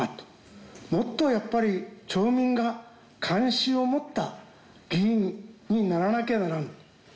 もっとやっぱり町民が関心を持った議員にならなきゃならん。